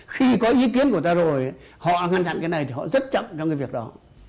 khi có ý kiến của ta rồi họ ngăn chặn cái này thì họ rất chậm trong cái việc đó